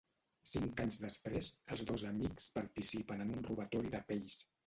Cinc anys després, els dos amics participen en un robatori de pells.